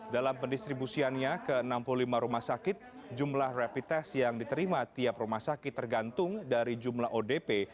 dalam pendistribusiannya ke enam puluh lima rumah sakit jumlah rapid test yang diterima tiap rumah sakit tergantung dari jumlah odp